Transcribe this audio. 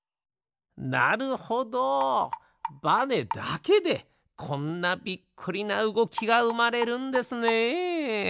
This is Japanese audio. なるほどバネだけでこんなびっくりなうごきがうまれるんですね。